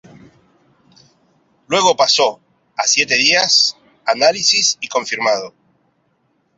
Luego pasó a "Siete Días", "Análisis" y "Confirmado".